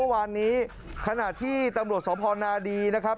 วันนี้ขณะที่ตำรวจสพนาดีนะครับ